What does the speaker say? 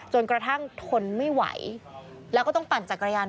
จนกระทั่งทนไม่ไหวแล้วก็ต้องปั่นจักรยาน